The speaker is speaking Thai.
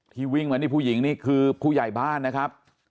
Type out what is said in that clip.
วิ่งมานี่ผู้หญิงนี่คือผู้ใหญ่บ้านนะครับ